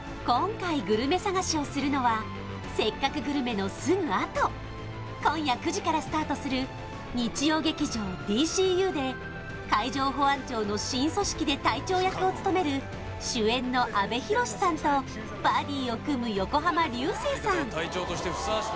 今回グルメ探しをするのは「せっかくグルメ！！」のすぐあと今夜９時からスタートする日曜劇場「ＤＣＵ」で海上保安庁の新組織で隊長役を務める主演の阿部寛さんとバディを組む横浜流星さん